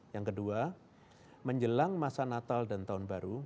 yang kedua menjelang masa natal dan tahun baru